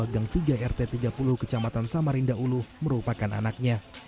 gang tiga rt tiga puluh kecamatan samarinda ulu merupakan anaknya